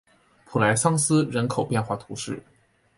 普莱桑斯人口变化图示